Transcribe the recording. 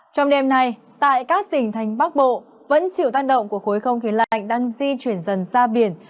trong đêm nay tại các tỉnh thành bắc bộ vẫn chịu tác động của khối không khí lạnh đang di chuyển dần ra biển